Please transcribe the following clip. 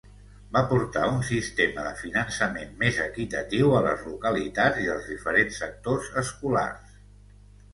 Va portar un sistema de finançament més equitatiu a les localitats i als diferents sectors escolars.